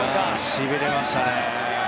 しびれましたね。